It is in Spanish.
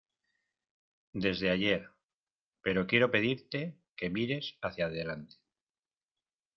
desde ayer, pero quiero pedirte que mires hacia adelante.